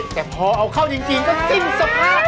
แต่พอเอาเข้าจริงก็สิ้นสภาพ